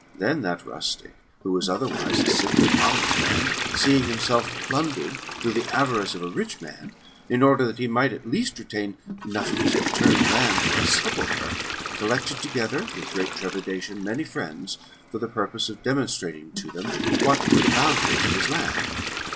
Then that rustic, who was otherwise a simple, harmless man, seeing himself plundered through the avarice of a rich man, in order that he might at least retain enough of his paternal land for a sepulchre, collected together, with great trepidation, many friends, for the purpose of demonstrating to them what yrere the boundaries of his land.